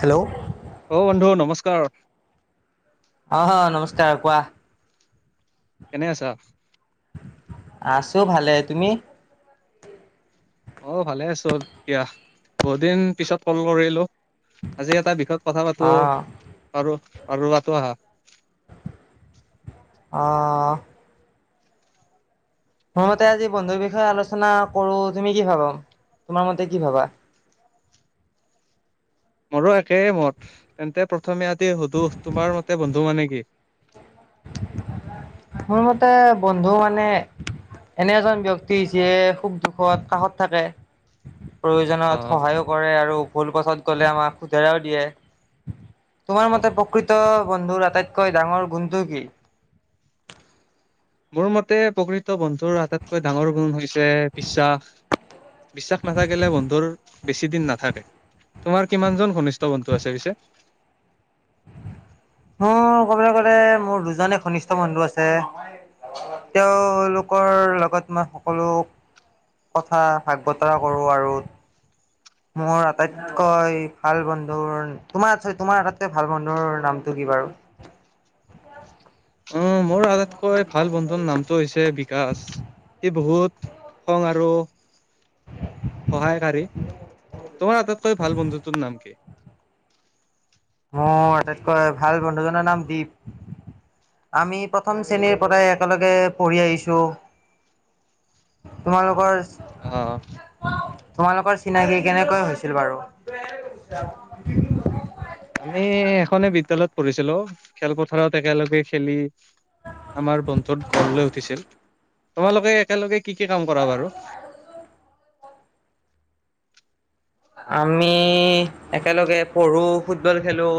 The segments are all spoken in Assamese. হেল্ল'। অ', বন্ধু নমস্কাৰ। অহ, নমস্কাৰ কোৱা। কেনে আছা? আছো ভালে তুমি? অ', ভালে আছো দিয়া বহুত দিন পিছত কল কৰিলো আজি এটা বিষত কথা অ পাতো পাৰ পাৰ পাতো আহা। অহ। মোৰ মতে আজি বন্ধুৰ বিষয়ে আলোচনা কৰো। তুমি কি ভাব? তোমাৰ মতে কি ভাবা? মোৰো একে মত, তেন্তে প্ৰথমে আজি সুধো তোমাৰ মতে বন্ধু মানে কি? মোৰ মতে বন্ধু মানে এনে এজন ব্যক্তি, যিয়ে খুব দুখত কাষত থাকে। অ প্ৰয়োজনত সহায়ো কৰে, আৰু ভুল পথত গ'লে আমাক শুধৰায়ো দিয়ে। তোমাৰ মতে অ প্ৰকৃত বন্ধুৰ আটাইতকৈ ডাঙৰ গুণটো কি? মোৰ মতে প্ৰকৃত বন্ধুৰ আটাইতকৈ ডাঙৰ গুণ হৈছে, বিশ্বাস। বিশ্বাস নাথাকিলে বন্ধুৰ বেছি দিন নাথাকে। তোমাৰ কিমান জন ঘনিষ্ঠ বন্ধু আছে পিছে? মোৰ ক'বলৈ গ'লে মোৰ দুজনে ঘনিষ্ঠ বন্ধু আছে। তেওঁলোকৰ লগত মই সকলো কথা ভাগ বতৰা কৰোঁ আৰু। মোৰ আটাইতকৈ ভাল বন্ধুৰ তোমাৰ, তোমাৰ আটাইতকৈ ভাল বন্ধুৰ নামটো কি বাৰু? উম, মোৰ আটাইতকৈ ভাল বন্ধু নাম টো, হৈছে বিকাশ। ই বহুত [unintelligible] আৰু সহায়কাৰী। তোমাৰ আটাইতকৈ ভাল বন্ধুটোৰ নাম কি? মোৰ আটাইতকৈ ভাল বন্ধুজনৰ নাম দীপ। আমি প্ৰথম অ শ্ৰেণীৰ পৰাই একেলগে পঢ়ি আহিছোঁ। তোমালোকৰ অ'। তোমালোকৰ চিনাকি কেনেকৈ হৈছিল বাৰু? আমি এখনে বিদ্যালয়ত পঢ়িছিলোঁ, খেলপথাৰত একেলগে খেলি আমাৰ বন্ধত গঢ় লৈ উঠিছিল। তোমালোকে একেলগে কি, কি কাম কৰা বাৰু? আমি একেলগে পঢ়োঁ, ফুটবল খেলোঁ।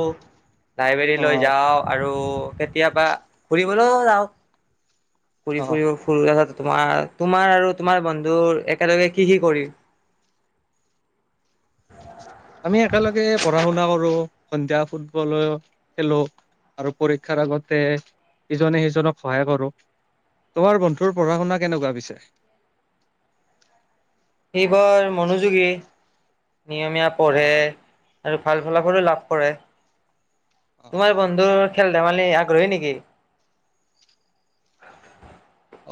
অ লাইব্ৰেৰীলৈ যাওঁ আৰু কেতিয়াবা ফুৰিবলৈও যাওঁ। ফুৰি, অ ফুৰিব-ফুৰি [unintelligible] তোমাৰ, তোমাৰ আৰু তোমাৰ বন্ধু একেলগে কি, কি কৰি আমি একেলগে পঢ়া শুনা কৰো সন্ধিয়া ফুটবল খেলো। আৰু পৰীক্ষাৰ আগতে ইজনে সিজনক সহায় কৰো। তোমাৰ বন্ধুৰ পঢ়া শুনা কেনেকুৱা পিছে। সেইবোৰ মনোযোগী নিয়মীয়া অ পঢ়ে। আৰু ভাল ফলাফলো লাভ কৰে অ তোমাৰ বন্ধু। খেল ধেমালি আগ্ৰহী নেকি?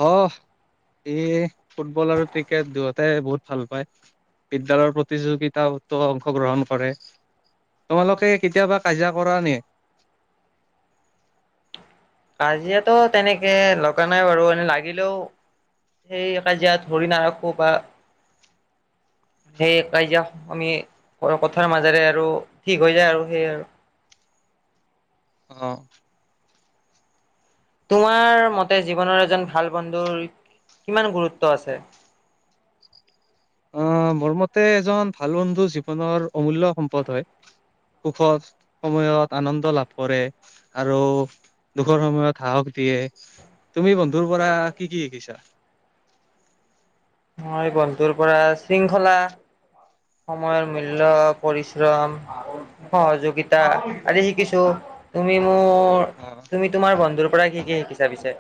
অ' এই ফুটবল আৰু ক্ৰিকেট দুয়তে বহুত ভাল পায়। বিদ্যয়ালয়ৰ প্ৰতিযোগিতাতো অংশগ্ৰহণ কৰে তোমালোকে কেতিয়াবা কাজিয়া কৰা নে? কাজিয়াতো তেনেকে লগা নাই বাৰু এনে লাগিলেও। সেই কাজিয়াত হৰিণাৰখোঁ বা সেই কাজিয়া আমি কথাৰ মাজেৰে আৰু ঠিক হৈ যায় আৰু সেই আৰু আহ তোমাৰ মতে জীৱনৰ এজন ভাল বন্ধুৰ কিমান গুৰুত্ব আছে। আহ মোৰ মতে এজন ভাল বন্ধু জীৱনৰ অমূল্য় সম্পদ হয়। সুখৰ সময়ত আনন্দ লাভ কৰে আৰু দুখৰ সময়ত সাহস। এতিয়ে তুমি বন্ধুৰ পৰা কি কি শিকিছা? মই বন্ধু ৰ পৰা শৃংখলা। সময়ৰ মূল্্যয় পৰিশ্ৰম অ যোগিতা আ শিকিছো তুমি অ' তুমি তোমাৰ বন্ধুৰ পৰা কি কি শিকিছাবিছে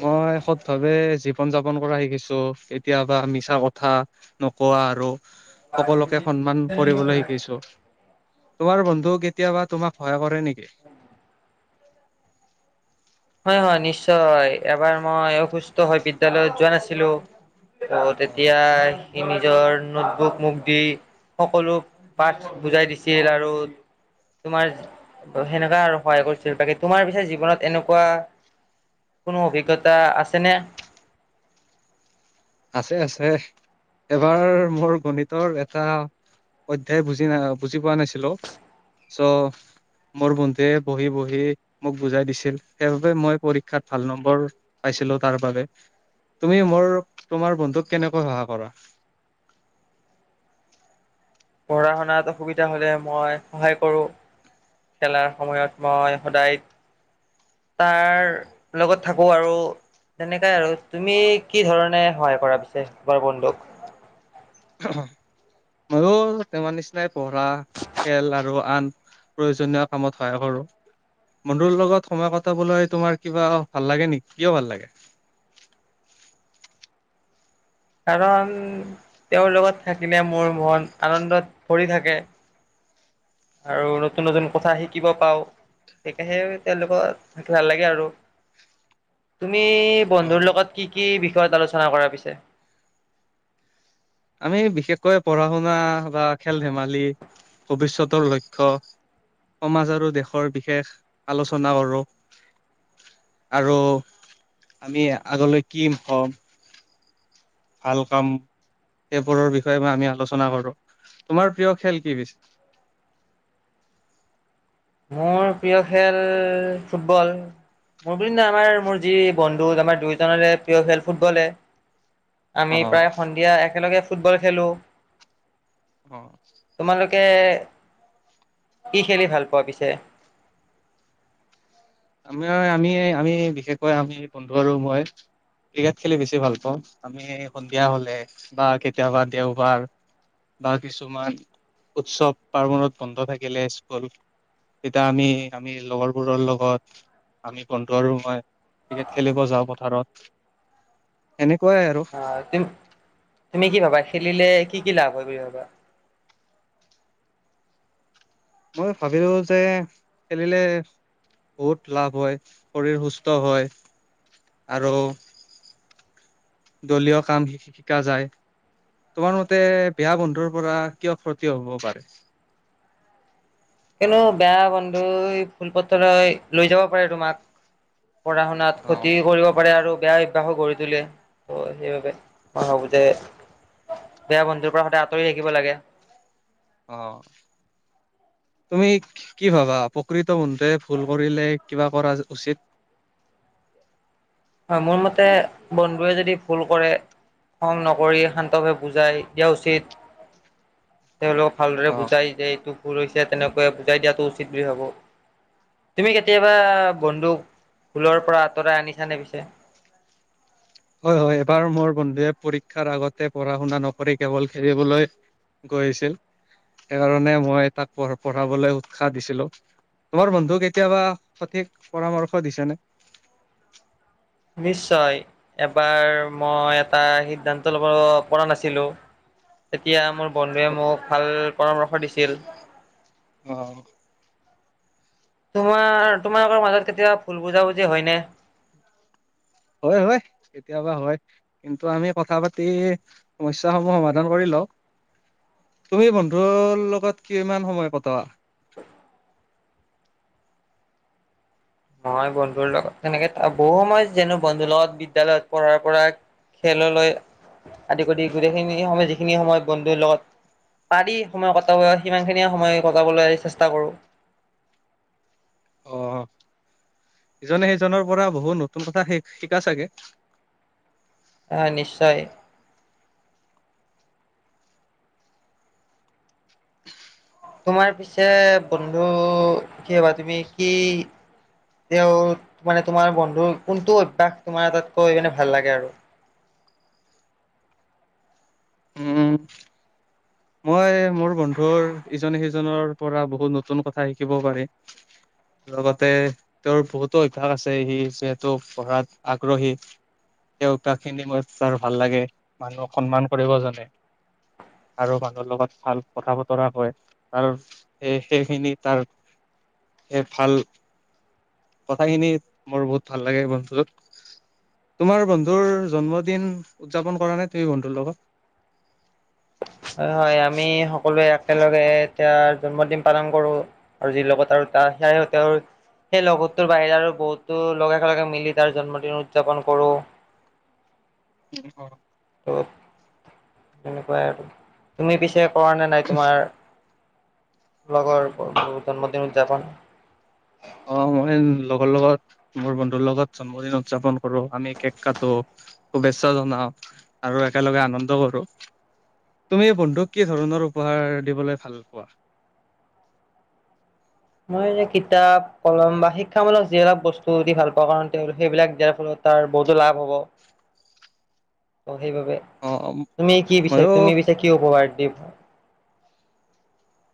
মই সত প্ৰথাৱে জীৱন যাপন কৰা শিকিছো কেতিয়াবা মিছা কথা নকোৱা আৰু সকলোকে সন্মান কৰিবলৈ শিকিছো তোমাৰ বন্ধু কেতিয়াবা তোমাক ভয় কৰে নেকি হয় হয় নিশ্চয় এবাৰ মই অসুস্থ হৈ বিদ্য়ালয়ত যোৱা নাছিলো ত অ' তেতিয়া সমি নিজৰ নোটবুক মোক দি সকলো পাঠ বুজাই দিছিল আৰু তোমাৰ সেনেকাা আৰু সহায় কৰিছিলো বাকী তোমাৰ পিছে জীৱনত এনেকুৱা োৱা কোনো অভিজ্ঞতা আছেনে আছে আছে এবাৰ মোৰ গণিতৰ এটা অধ্যায় বুজি নাই বুজি পোৱা নাছিলো চ' মোৰ বন্ধুৱে বহি বহি মোক বুজাই দিছিল সেইবাবে মই পৰীক্ষাত ভাল নম্বৰ পাই তাৰ বাবে তুমি মোৰ তোমাৰ বন্ধুক কেনেকৈ সহায় কৰা পঢ়া শুনাত অসুবিধা হলে মই সহায় কৰোঁ খেলাৰ সময়ত মই সদায় তাৰ লগত থাকো আৰু তেনেকাই আৰু তুমি কি ধৰণে সহায় কৰা পিছে বাৰ বন্ধুক আহ মই তমাৰ নিচিনাই পঢ়া খেল আৰু আন প্ৰয়োজনীয় কামত সহায় কৰো বন্ধুৰুৰ লগত সময় কটাবলৈ তোমাৰ কিবা ভাল লাগে নেকি কিয় ভাল লাগে [unintelligible] কাৰণ তেওঁৰ লগত থাকিলে মোৰ মন আনন্দত ভৰি থাকে আৰু নতুন নতুন কথা শিকিব পাও সাহে তেওঁলোকৰ ভাল লাগে আৰু [unintelligible] আপনি অ বন্ধুৰ লগত কি কি বিষয়ত আলোচনা কৰা পিছে আমি বিশেষকৈ পঢ়া শুনা বা খেল ধেমালি ভৱিষ্যতৰ লক্ষ্্য সমাজ আৰু দেশৰ বিশেষ আলোচনা কৰোঁ আৰু আমি আগলৈ কি হম ফাল কাম সেইবোৰৰ বিষয়ে ম আমি আলোচনা কৰো তোমাৰ প্ৰিয় খেল কি পছে [unintelligible] মোৰ প্ৰিয় খেল ফুটবল মোৰ বুলি আমাৰ মোৰ যি বন্ধু আমাৰ দুইোজনৰে প্ৰিয় খেল ফুটবলে আমি অ', প্ৰায় সন্ধিয়া একেলগে ফুটবল খেলোঁ অ তোমালোকে কি খেলি ভাল পোৱা পিছে আমি আমি আমি বিশেষকৈ আমি বন্ধু আৰু মই ক্ৰিকেট খেলি বেছি ভাল পাওঁ আমি সন্ধিয়া হলে বা কেতিয়াবা দেওবাৰ বা কিছুমান উৎসৱ পাৰ্বণত বন্ধ থাকিলে স্কুল তেতিয়া আমি আমি লগৰবোৰৰ লগত আমি বন্ধু আৰু মই ক্ৰিকেট খেলিব যাওঁ পথাৰত সেনেক অ তুম তুমি কি ভাবা খেলিলে কি কি লাভ হয় ভাবা মই ভাবিলো যে খেলিলে বহুত লাভ হয় শৰীৰ সুস্থ হয় আৰু দলীয় কাম শিকা যায়। তোমাৰ মতে বেয়া বন্ধুৰ পৰা কিয় ক্ষতি হব পাৰে। কনো বেয়া বন্ধু ফুল পত্ৰ হয় লৈ যাব পাৰে তোমাক, পঢ়া শুনাত অ', ক্ষতি কৰিব পাৰে আৰু বেয়া অভ্যাসো কৰি তোলে ত' সেইবাবে মই ভাবোঁ যে, বেয়া বন্ধুৰ পৰা সদায় আঁতৰি থাকিব লাগে। অ' তুমি কি ভাবা, প্ৰকৃত বন্ধুৱে ভুল কৰিলে কিবা কৰা উচিত? [inaudible] হয়, মোৰ মতে বন্ধুৱে যদি ভুল কৰে খং নকৰি শান্তভাৱে বুজাই দিয়া উচিত। [inaudible] তেওঁলোকক ভালদৰে অ', বুজাই যে এইটো ভুল হৈছে তেনেকৈ বুজাই দিয়াটো উচিত বুলি ভাবো। তুমি কেতিয়াবা বন্ধুক ভুলৰ পৰা আঁতৰাই আনিছানে পিছে? হয়, হয়, এবাৰ মোৰ বন্ধুৱে পৰীক্ষাৰ আগতে পঢ়া শুনা নকৰি কেৱল খেলিবলৈ গৈ আছিল, এবাৰ মানে মই তাক পঢ়- পঢ়াবলৈ উৎসাহ দিছিলোঁ। তোমাৰ বন্ধুই কেতিয়াবা সঠিক পৰামৰ্শ দিছেনে? নিশ্চয়, এবাৰ মই এটা সিদ্ধান্ত ল'ব পৰা নাছিলোঁ তেতিয়া মোৰ বন্ধুৱে অ', মোক ভাল পৰামৰ্শ দিছিল। অ' তোমাৰ, তোমালোকৰ মাজত কেতিয়াবা ভুল বুজাবুজি হয়নে? হয়, হয়, কেতিয়াবা হয়। কিন্তু আমি কথা পাতি সমস্যাসমূহ সমাধান কৰি লওঁ। তুমি বন্ধুৰ লগত কিমান সময় কটোৱা? [inaudible] মই বন্ধুৰ লগত তেনেকে বহু সময় যেনে বন্ধুৰ লগত বিদ্য়ালয়ত পঢ়াৰ পৰাই খেললৈ আদি কৰি গোটেইখিনি সময় যিখিনি সময় বন্ধুৰ লগত পাৰি সময় কটাব, সিমানখিনি সময়ে কটাবলৈ চেষ্টা কৰোঁ। অ' ইজনে সিজনৰ পৰা বহু নতুন কথা শি- শিকা চাগে! অ, নিশ্চয়। তোমাৰ পিছে বন্ধু কি হবা তুমি কি তেওঁ মানে তোমাৰ বন্ধুৰ কোনটো অভ্যাস তোমাৰ আটাইতকৈ মানে ভাল লাগে আৰু? উম মই, মোৰ বন্ধুৰ ইজনে সিজনৰ পৰা বহুত নতুন কথা শিকিব পাৰে। লগতে, তেওঁৰ বহুতো অভ্যাস আছে, সি যিহেতু পঢ়াত আগ্ৰহী। তেওঁৰ [unintelligible] খিনি মোৰ ছাৰ ভাল লাগে, মানুহক সন্মান কৰিব জানে। আৰু মানুহৰ লগত ভাল কথা বতৰা হয়, তাৰ সেই সেইখিনি তাৰ এই ভাল, কথাখিনি মোৰ বহুত ভাল লাগে বন্ধুটোৰ। তোমাৰ বন্ধুৰ জন্মদিন উদযাপন কৰানে তুমি বন্ধুৰ লগত? হয়, হয়। আমি সকলোৱে একেলগে এতিয়া জন্মদিন পালন কৰোঁ আৰু যি লগত আৰু [inaudible] সেই লগৰটোৰ বাহিৰে আৰু বহুতো মিলি তাৰ জন্মদিন উদযাপন কৰোঁ। [inaudible] ত' তেনেকুৱাই আৰু। তুমি পিছে কৰা নে নাই তোমাৰ লগৰ জন্মদিন উদযাপন? অ, মানে লগৰ লগত, মোৰ বন্ধুৰ লগত জন্মদিন উদযাপন কৰোঁ, আমি কেক কাটো। শুভেচ্ছা জনাওঁ আৰু একেলগে আনন্দ কৰোঁ। তুমি বন্ধুক কি ধৰণৰ উপহাৰ দিবলৈ ভাল পোৱা? [inaudible] [unintelligible] কিতাপ কলম বা শিক্ষামূলক যিবিলাক বস্তু দি ভাল পাওঁ, কাৰণ তেওঁক সেইবিলাক দিয়াৰ ফলত তাৰ বহুতো লাভ হ'ব। ত' সেইবাবে অ তুমি কি পিছে ময়ো তুমি পিছে কি উপহাৰ [unintelligible]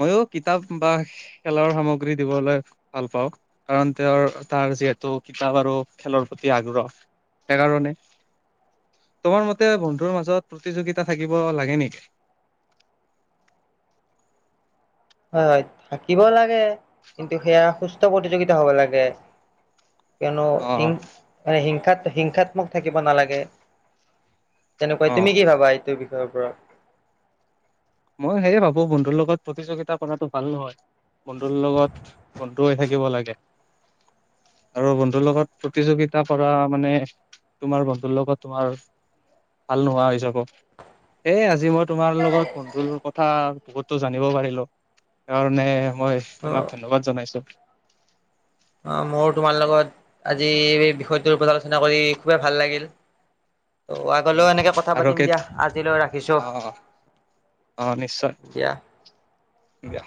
মইো কিতাপ বা খেলৰ সামগ্ৰী দিবলৈ ভাল পাওঁ কাৰণ তেওঁৰ তাৰ যিহেতু কিতাপ আৰু খেলৰ প্ৰতি আগ্ৰহ সেইকাৰণে। তোমাৰ মতে বন্ধুৰ মাজত প্ৰতিযোগিতা থাকিব লাগে নেকি। [unintelligible] হয় থাকিব লাগে। কিন্তু সেয়া সুস্থ প্ৰতিযোগিতা হ'ব লাগে। কিয়নো অ হিংসাত হিংসাত্মক থাকিব নালাগে। তেনেকুৱাই অ তুমি কি ভাবা এইটো বিষয়ৰ ওপৰত? মই সেয়ে ভাবো বন্ধুৰ লগত প্ৰতিযোগিতা কৰাতো ভাল নহয় বন্ধুৰ লগত ৰৈ থাকিব লাগে আৰু বন্ধুৰ লগত প্ৰতিযোগিতা কৰা মানে, তোমাৰ বন্ধুৰ লগত তোমাৰ ভাল নোহোৱা হৈ যাব সেয়ে আজি মই তোমাৰ লগত বন্ধুৰ কথা বহুতো জানিব পাৰিলো সেইকাৰণে। মই অ তোমাক ধন্যবাদ জনাইছো। অ', মোৰ তোমাৰ লগত আজি এই বিষয়টোৰ ওপৰত আলোচনা কৰি খুবেই ভাল লাগিল। [inaudible] ত' অ আগলৈও এনেকে কথা আৰু পাতিম কে দিয়া আজিলৈ ৰাখিছোঁ। অ অ', নিশ্চয়, দিয়া।